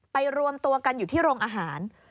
รวมตัวกันอยู่ที่โรงอาหาร